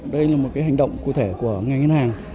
đây là một hành động cụ thể của ngành ngân hàng